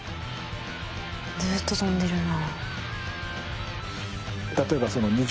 ずっと飛んでるな。